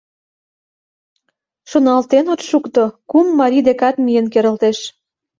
Шоналтен от шукто — кум марий декат миен керылтеш.